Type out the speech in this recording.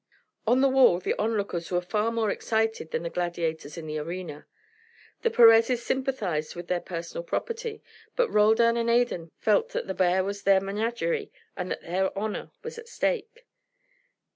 On the wall the onlookers were far more excited than the gladiators in the arena. The Perezes sympathised with their personal property, but Roldan and Adan felt that the bear was their menagerie, and that their honour was at stake.